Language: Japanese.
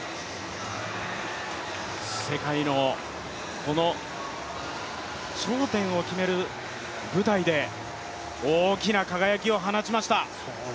世界のこの頂点を決める舞台で大きな輝きを放ちました。